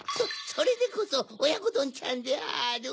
それでこそおやこどんちゃんである。